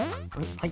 はい。